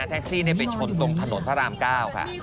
แท็กซี่เนี่ยไปชนตรงถนนพนาฬั่งก้าวค่ะ